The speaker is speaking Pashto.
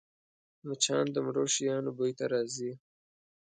مچان د مړو شیانو بوی ته راځي